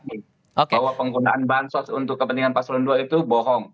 bahwa penggunaan bansos untuk kepentingan paslon dua itu bohong